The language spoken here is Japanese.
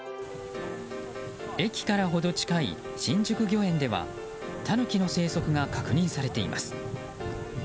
駅から程近い新宿御苑ではタヌキの生息が確認されています。